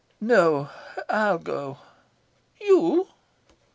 "No; I'll go." "You?"